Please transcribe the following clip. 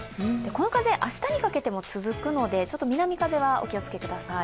この風、明日にかけても続くので南風はお気を付けください。